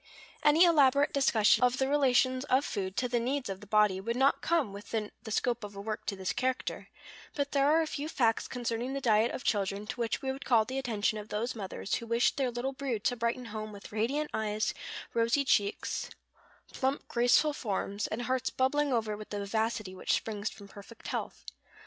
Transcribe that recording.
Any elaborate discussion of the relations of food to the needs of the body would not come within the scope of a work of this character; but there are a few facts concerning the diet of children to which we would call the attention of those mothers who wish their little brood to brighten home with radiant eyes, rosy cheeks, plump, graceful forms, and hearts bubbling over with the vivacity which springs from perfect health.